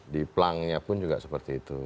di pelangnya pun juga seperti itu